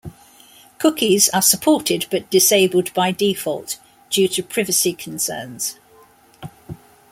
Cookies are supported but disabled by default due to privacy concerns.